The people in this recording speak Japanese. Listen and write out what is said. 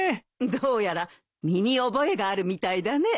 どうやら身に覚えがあるみたいだね。